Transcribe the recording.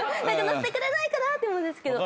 乗せてくれないかなって思うんですけど。